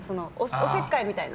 おせっかいみたいな。